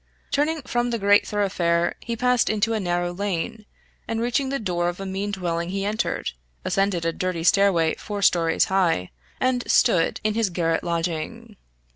Turning from the great thoroughfare he passed into a narrow lane, and reaching the door of a mean dwelling he entered, ascended a dirty stairway four stories high, and stood in his garret lodging.